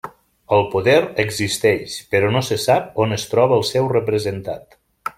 El poder existeix, però no se sap on es troba el seu representat.